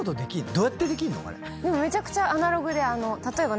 めちゃくちゃアナログで例えば。